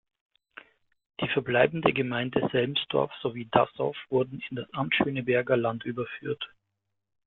Die verbleibende Gemeinde Selmsdorf sowie Dassow wurden in das Amt Schönberger Land überführt.